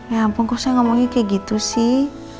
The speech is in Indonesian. ya ampun kok saya ngomongnya kayak gitu sih